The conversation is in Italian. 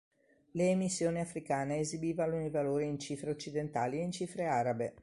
Le emissioni africane esibivano i valori in cifre occidentali e in cifre arabe.